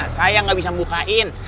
saya nggak bisa membukain